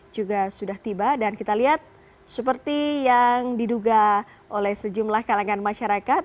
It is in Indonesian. juga sudah tiba dan kita lihat seperti yang diduga oleh sejumlah kalangan masyarakat